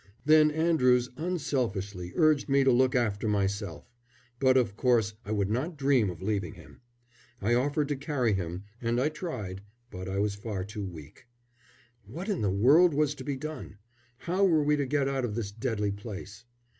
Then Andrews unselfishly urged me to look after myself; but, of course, I would not dream of leaving him. I offered to carry him, and I tried, but I was far too weak. What in the world was to be done? How were we to get out of this deadly place?